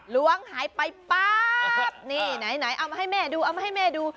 ล้วงหายไปป๊าบนี่ไหนเอามาให้แม่ดูเอามาให้แม่ดู